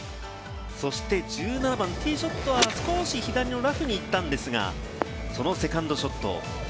そして１７番、ティーショットは少し左のラフに行ったんですが、そのセカンドショット。